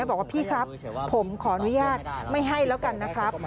บอกว่าพี่ครับผมขออนุญาตไม่ให้แล้วกันนะครับ